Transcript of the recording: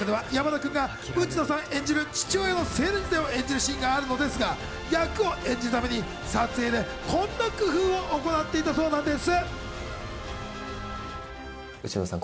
映画の中では、山田君が内野さん演じる父親の青年時代を演じるシーンがあるのですが、役を演じ分けるために撮影で、ある工夫を行っていたそうなんです。